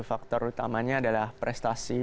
faktor utamanya adalah prestasi